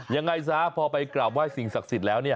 ยังไงซะพอไปกราบไห้สิ่งศักดิ์สิทธิ์แล้ว